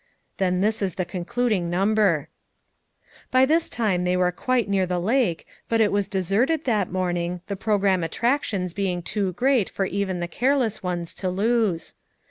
Then this is the concluding number/' By this time they were quite near the lake, but it was deserted that morning the pro gram attractions being too great for even the careless ones to lose.